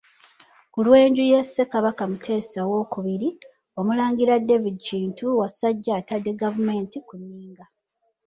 Ku lw’enju ya Ssekabaka Muteesa II, Omulangira David Kintu Wassajja atadde gavumenti ku nninga.